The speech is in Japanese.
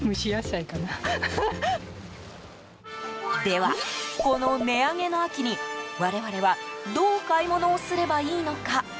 では、この値上げの秋に我々はどう買い物をすればいいのか？